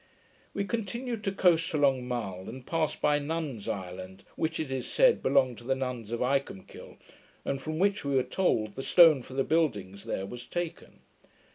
We continued to coast along Mull, and passed by Nuns' Island, which, it is said, belonged to the nuns of Icolmkill, and from which, we were told, the stone for the buildings there was taken.